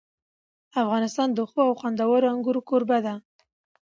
افغانستان د ښو او خوندورو انګورو کوربه دی.